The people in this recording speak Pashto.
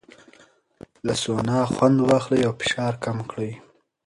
له سونا خوند واخلئ او فشار کم کړئ.